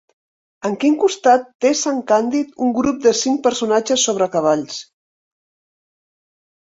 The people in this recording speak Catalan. En quin costat té sant Càndid un grup de cinc personatges sobre cavalls?